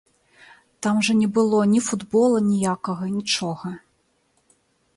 Там жа не было ні футбола ніякага, нічога.